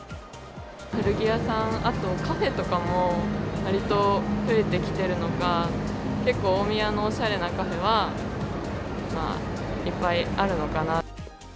古着屋さん、あとカフェとかも、わりと増えてきてるのか、結構、大宮のおしゃれなカフェは、いっぱいあるのかな。